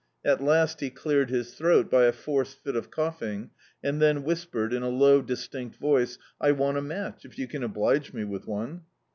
At last he cleared his throat by a forced £t of coughing, and then whispered, in a low distinct voice — "I want a match, if you can oblige me with one."